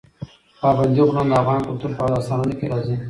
پابندی غرونه د افغان کلتور په داستانونو کې راځي.